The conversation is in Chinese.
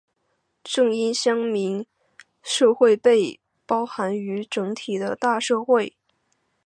正因乡民社会被包含于整体的大社会。